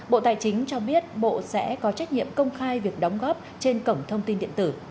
bộ tài chính cho biết bộ sẽ có trách nhiệm công khai việc đóng góp trên cổng thông tin điện tử